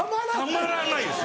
たまらないです。